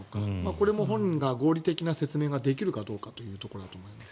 これも本人が合理的な説明ができるかどうかというところだと思います。